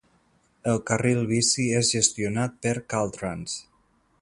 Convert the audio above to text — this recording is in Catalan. El carril bici és gestionat per Caltrans.